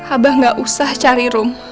aba gak usah cari rum